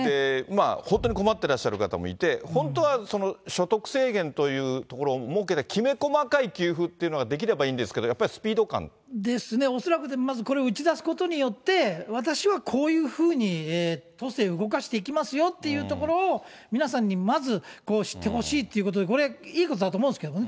本当に困ってらっしゃる方もいて、本当は所得制限というところを設けて、きめ細かい給付っていうところができればいいんですけど、やっぱですね、恐らくこれを打ち出すことによって、私はこういうふうに都政を動かしていきますよっていうところを、皆さんにまず知ってほしいということで、これ、いいことだと思うんですけどね。